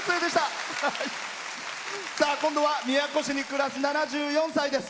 今度は宮古市に暮らす７４歳です。